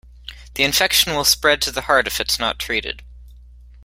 The infection will spread to the heart if it's not treated.